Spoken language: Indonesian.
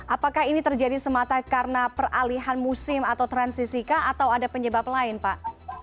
apakah ini terjadi semata karena peralihan musim atau transisi kah atau ada penyebab lain pak